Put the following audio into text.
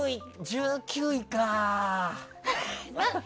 １９位か。